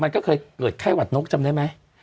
เกิดไข้หวัดนกจำได้ไหม